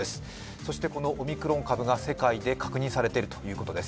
そして、このオミクロン株が世界で確認されているということです。